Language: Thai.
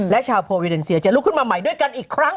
และชาวโพวิเดนเซียจะลุกขึ้นมาใหม่ด้วยกันอีกครั้ง